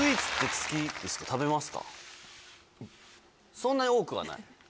そんなに多くはない？